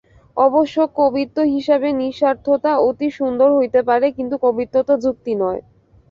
অবশ্য কবিত্ব হিসাবে নিঃস্বার্থতা অতি সুন্দর হইতে পারে, কিন্তু কবিত্ব তো যুক্তি নয়।